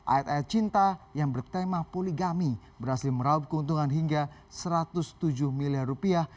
ayat ayat cinta yang bertema poligami berhasil meraup keuntungan hingga satu ratus tujuh miliar rupiah